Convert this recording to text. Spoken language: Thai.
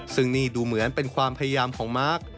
ซึ่งนี่ดูเหมือนเป็นความพยายามของมาร์ค